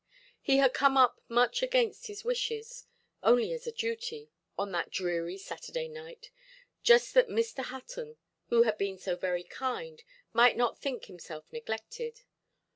He had come up much against his wishes, only as a duty, on that dreary Saturday night, just that Mr. Hutton, who had been so very kind, might not think himself neglected.